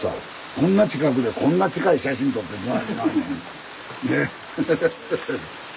こんな近くでこんな近い写真撮ってどないしまんねん。